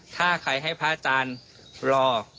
ถ้าใครให้พระอาจารย์รอ